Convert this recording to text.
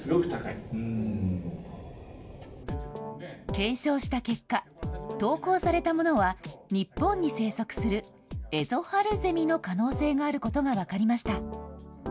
検証した結果、投稿されたものは日本に生息するエゾハルゼミの可能性があることが分かりました。